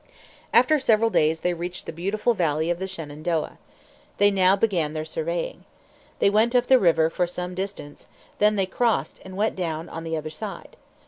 After several days they reached the beautiful valley of the Shenandoah. They now began their surveying. They went up the river for some distance; then they crossed and went down on the other side.